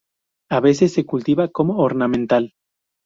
A veces se cultiva como ornamental.